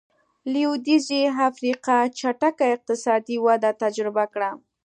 لوېدیځې افریقا چټکه اقتصادي وده تجربه کړه.